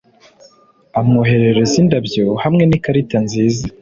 Amwoherereza indabyo, hamwe n'ikarita nziza.